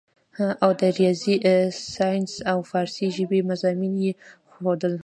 او د رياضي سائنس او فارسي ژبې مضامين ئې ښودل